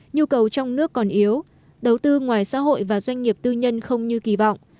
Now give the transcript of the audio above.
nhu cầu trong nước còn yếu đầu tư ngoài xã hội và doanh nghiệp tư nhân không như kỳ vọng